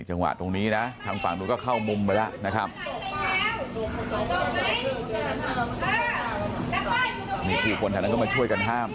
จังหวัดตรงนี้นะทางฝั่งนู้นก็เข้ามุมไปแล้วนะครับ